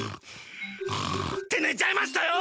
ってねちゃいましたよ！